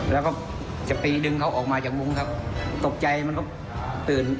แล้วก็จะไปดึงเขาออกมาจากมุ้งครับตกใจมันก็ตื่น